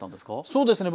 そうですね